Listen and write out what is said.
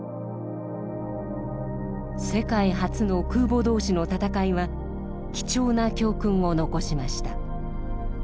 世界初の空母同士の戦いは貴重な教訓を残しました。